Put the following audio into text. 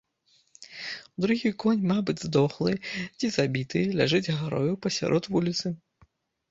Другі конь, мабыць, здохлы ці забіты, ляжыць гарою пасярод вуліцы.